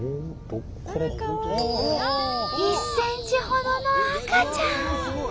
１ｃｍほどの赤ちゃん！